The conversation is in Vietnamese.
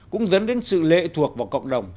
cũng dẫn đến sự lệ thuộc vào cộng đồng